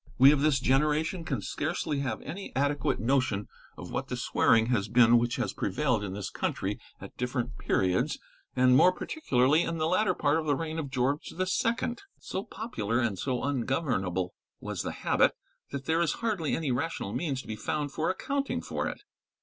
We of this generation can scarcely have any adequate notion of what the swearing has been which has prevailed in this country at different periods, and more particularly in the latter part of the reign of George II. So popular and so ungovernable was the habit, that there is hardly any rational means to be found for accounting for it.